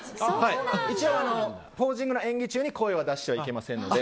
一応、ポージングの演技中に声を出してはいけませんので。